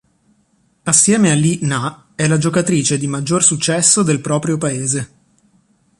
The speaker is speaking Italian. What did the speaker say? Assieme a Li Na è la giocatrice di maggior successo del proprio paese.